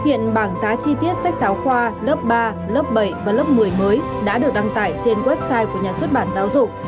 hiện bảng giá chi tiết sách giáo khoa lớp ba lớp bảy và lớp một mươi mới đã được đăng tải trên website của nhà xuất bản giáo dục